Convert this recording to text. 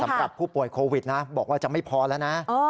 สำหรับผู้ป่วยโควิดนะบอกว่าจะไม่พอแล้วนะ